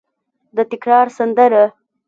د تکرار سندره